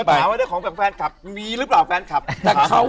คุณมาถามว่าได้ของแบบแฟนคลับมีหรือเปล่า